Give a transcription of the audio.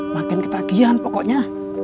makin ketagihan pokoknya